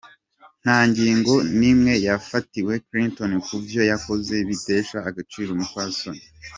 Nta ngingo n’imwe yafatiwe Clinton kuvyo yakoze bitesha agaciro umupfasoni.